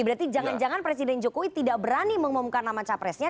berarti jangan jangan presiden jokowi tidak berani mengumumkan nama capresnya